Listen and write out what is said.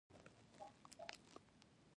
• بښنه د قوي ایمان نښه ده.